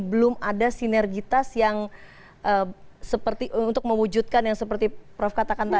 belum ada sinergitas yang seperti untuk mewujudkan yang seperti prof katakan tadi